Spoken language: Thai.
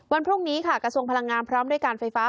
วันพรุ่งนี้ค่ะกระทรวงพลังงานพร้อมด้วยการไฟฟ้า